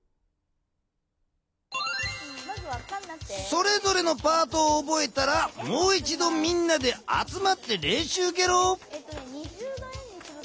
それぞれのパートを覚えたらもういちどみんなであつまってれんしゅうゲロ。